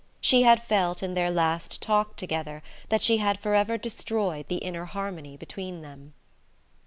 She had felt, in their last talk together, that she had forever destroyed the inner harmony between them.